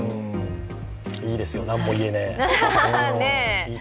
いいですよ、なんもいえねえ。